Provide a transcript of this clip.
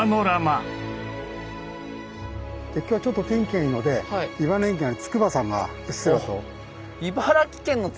今日はちょっと天気がいいので茨城県の筑波山まで見える！